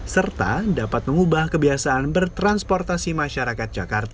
serta dapat mengubah kebiasaan bertransportasi masyarakat jakarta